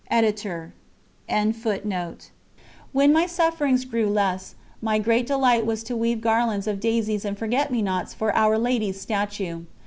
When my sufferings grew less, my great delight was to weave garlands of daisies and forget me nots for Our Lady's statue.